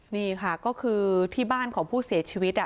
นี่ค่ะก็คือที่บ้านของผู้เสียชีวิต